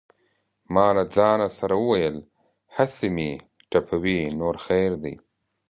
ما له ځانه سره وویل: هسې مې ټپوي نور خیر دی.